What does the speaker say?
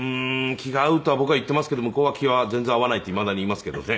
「気が合う」とは僕は言っていますけど向こうは「気は全然合わない」っていまだに言いますけどね。